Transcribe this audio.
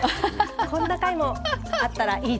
こんな回もあったらいいですよね。